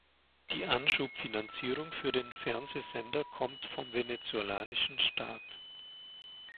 Die Anschubfinanzierung für den Fernsehsender kommt vom venezolanischen Staat.